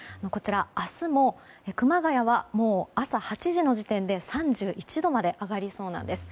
明日も熊谷は朝８時の時点で３１度まで上がりそうなんです。